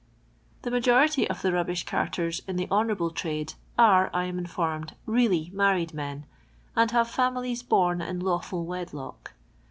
The majority/ of the Rahlinh taHcrs in the honourable trade are, I am informed, really viajTitd .lien, and have fiimilies born in lawful wedlock."